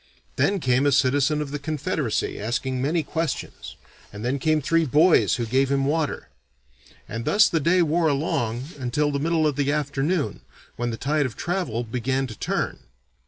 Then came a citizen of the Confederacy asking many questions, and then came three boys who gave him water. And thus the day wore along until the middle of the afternoon when the tide of travel began to turn.